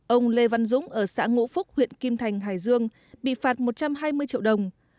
ông lê văn dũng ở xã ngũ phúc huyện kim thành hải dương bị phạt một trăm hai mươi triệu đồng